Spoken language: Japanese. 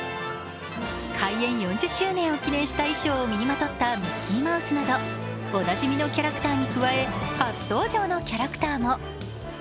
開園４０周年を記念した衣装を身にまとったミッキーマウスなどおなじみのキャラクターに加え初登場のキャラクターも。